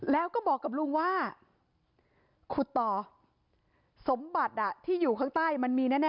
แล้วก็บอกกับลุงว่าขุดต่อสมบัติที่อยู่ข้างใต้มันมีแน่